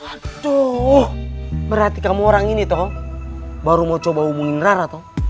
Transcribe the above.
aduh berarti kamu orang ini toh baru mau coba hubungin rara toh